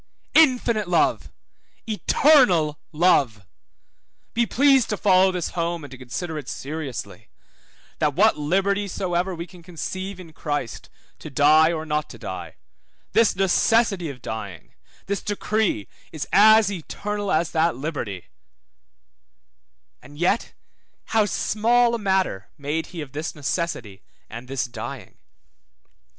Infinite love, eternal love; be pleased to follow this home, and to consider it seriously, that what liberty soever we can conceive in Christ to die or not to die; this necessity of dying, this decree is as eternal as that liberty; and yet how small a matter made he of this necessity and this dying?